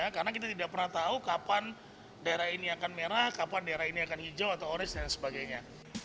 karena kita tidak pernah tahu kapan daerah ini akan merah kapan daerah ini akan hijau atau orange dan sebagainya